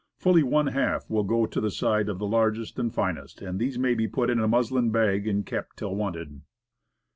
Fully one half will go to the side of largest and finest, and these maybe put in a muslin bag, and kept till wanted.